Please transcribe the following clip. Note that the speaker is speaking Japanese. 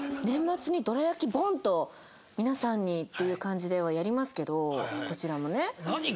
年末にどら焼きボンッと皆さんにっていう感じではやりますけどこちらもね。何？